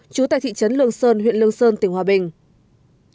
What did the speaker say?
trú tại thị trấn lương sơn huyện lương sơn tỉnh hòa bình